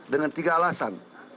dengan tiga alasan